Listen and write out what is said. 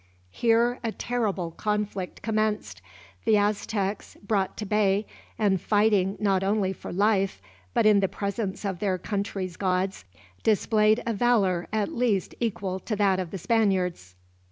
Here a terrible conflict commenced. The Aztecs, brought to bay, and fighting not only for life, but in the presence of their country's gods, displayed a valor at least equal to that of the Spaniards.